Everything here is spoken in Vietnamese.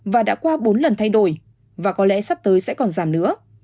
và đã qua bốn lần thay đổi và có lẽ sắp tới sẽ còn giảm nữa